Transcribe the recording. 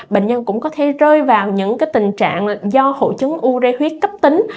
bệnh nhân cũng có thể rơi vào những tình trạng do hội chứng u rê huyết cấp tính